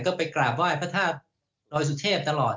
ก็ไปกราบไหว้พระธาตุดอยสุเทพตลอด